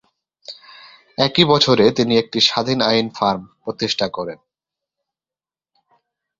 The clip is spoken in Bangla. একই বছরে তিনি একটি স্বাধীন আইন ফার্ম প্রতিষ্ঠা করেন।